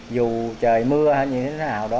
dù trời mưa hay như thế nào đó